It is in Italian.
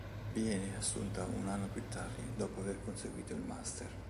Viene assunta un anno più tardi, dopo aver conseguito il master.